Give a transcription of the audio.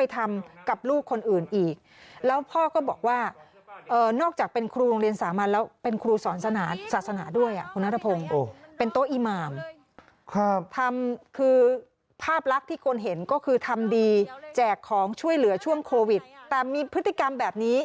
แต่มีพฤติกรรมแบบนี้